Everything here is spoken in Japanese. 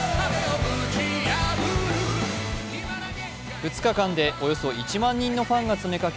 ２日間でおよそ１万人のファンが詰めかけ